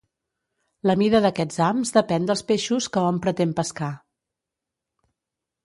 La mida d'aquests hams depèn dels peixos que hom pretén pescar.